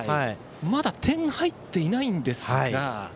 まだ点は入っていないんですが。